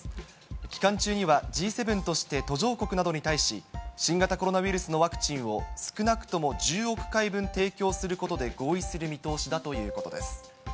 期間中にはＧ７として途上国などに対し、新型コロナウイルスのワクチンを少なくとも１０億回分提供することで合意する見通しだということです。